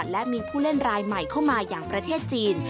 และมีผู้เล่นรายใหม่เข้ามาอย่างประเทศจีน